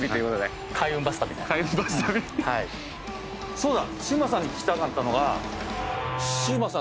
そうだ。